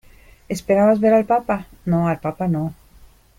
¿ esperabas ver al papa? no, al papa no.